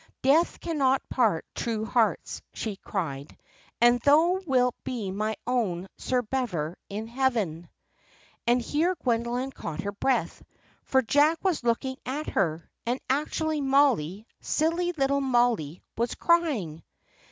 'Death cannot part true hearts,' she cried, 'and thou wilt be my own Sir Bever in heaven.'" And here Gwen caught her breath, for Jack was looking at her; and actually Mollie, silly little Mollie, was crying.